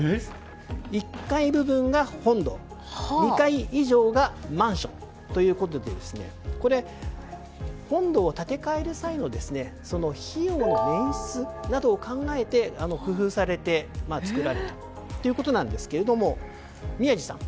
１階部分が本堂、２階以上がマンションということで本堂を建て替える際の費用のねん出などを考えて工夫されて作られたということなんですけど宮司さん。